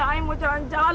saya mau jalan jalan